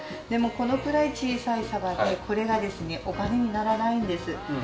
でもこのくらい小さいサバでこれがですねお金にならないんです。